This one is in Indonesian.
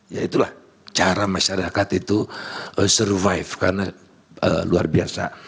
ya itulah cara masyarakat itu survive karena luar biasa